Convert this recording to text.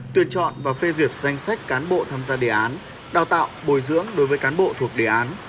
tuyển chọn và phê duyệt danh sách cán bộ tham gia đề án đào tạo bồi dưỡng đối với cán bộ thuộc đề án